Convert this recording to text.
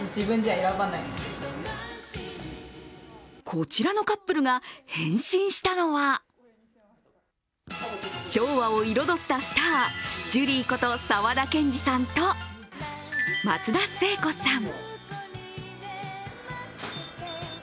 こちらのカップルが変身したのは昭和を彩ったスター、ジュリーこと沢田研二さんと松田聖子さん。